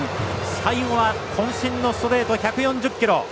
最後は、こん身のストレート１４０キロ。